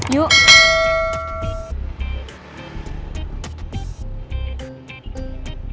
terima kasih starter